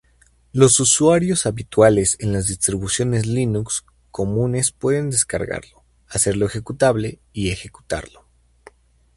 Los usuarios habituales en las distribuciones Linux comunes pueden descargarlo, hacerlo ejecutable y ejecutarlo.